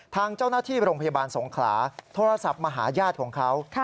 ทางเจ้าหน้าที่โรงพยาบาลสงขลาโทรศัพท์มาหาญาติของเขา